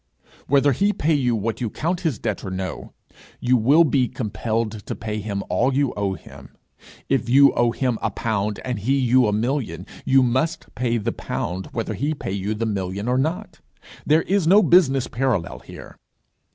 Whether he pay you what you count his debt or no, you will be compelled to pay him all you owe him. If you owe him a pound and he you a million, you must pay him the pound whether he pay you the million or not; there is no business parallel here.